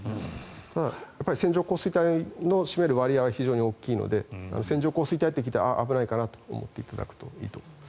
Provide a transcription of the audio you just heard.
ただ、線状降水帯の占める割合が非常に大きいので線状降水帯って聞いたら危ないかなと思っていただいたらいいと思います。